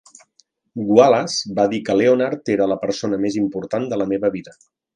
Wallace va dir que Leonard era la persona més important de la meva vida.